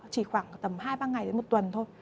chỉ khoảng tầm hai ba ngày đến một tuần thôi